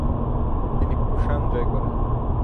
তিনি পুশাং জয় করেন।